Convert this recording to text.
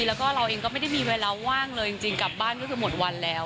แล้วก็เราเองก็ไม่ได้มีเวลาว่างเลยจริงกลับบ้านก็คือหมดวันแล้ว